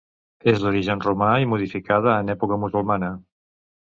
És d'origen romà i modificada en època musulmana.